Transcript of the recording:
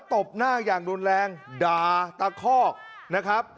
ตบหน้าอย่างรุนแรงด่าตะคอกนะครับ